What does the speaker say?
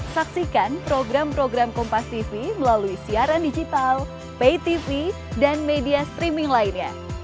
saksikan program program kompastv melalui siaran digital paytv dan media streaming lainnya